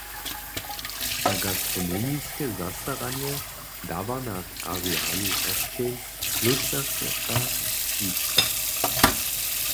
Za gastronomiske zastaranje dawa na arealu hosćenc „Klóšterska stwička“.